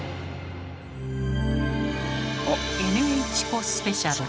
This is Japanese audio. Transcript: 「ＮＨコスペシャル」。